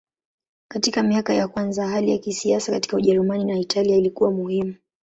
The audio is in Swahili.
Katika miaka ya kwanza hali ya kisiasa katika Ujerumani na Italia ilikuwa muhimu.